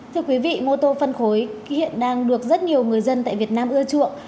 thưa quý vị mô tô phân khối hiện đang được rất nhiều người dân tại việt nam ưa chuộng